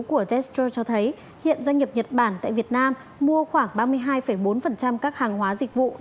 của testro cho thấy hiện doanh nghiệp nhật bản tại việt nam mua khoảng ba mươi hai bốn các hàng hóa dịch vụ